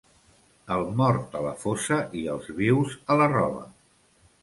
El mort a la fossa i els vius a la roba.